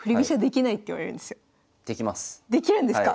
できるんですか！